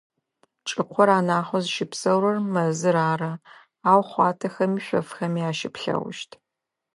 Чӏыкъор анахьэу зыщыпсэурэр мэзыр ары, ау хъуатэхэми, шъофхэми ащыплъэгъущт.